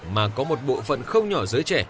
mà có một bộ phận không nhỏ giới trẻ